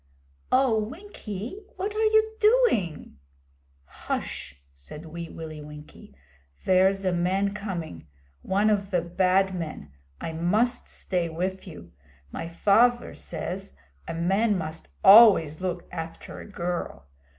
'Oh, Winkie, what are you doing?' 'Hush!' said Wee Willie Winkie. 'Vere's a man coming one of've Bad Men. I must stay wiv you. My faver says a man must always look after a girl.